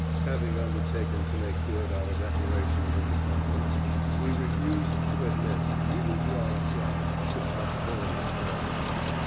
Having undertaken to make good our declaration of independence, we refused to admit, even to ourselves, the possibility of failure.